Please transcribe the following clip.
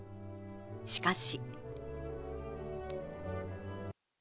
しかし。